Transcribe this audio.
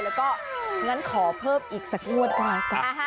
แล้วก็งั้นขอเพิ่มอีกสักวันก่อน